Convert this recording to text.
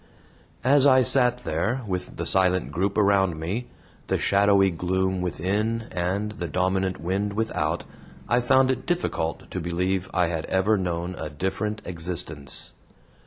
As I sat there, with the silent group around me, the shadowy gloom within and the dominant wind without, I found it difficult to believe I had ever known a different existence.